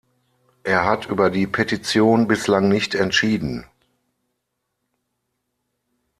Er hat über die Petition bislang nicht entschieden.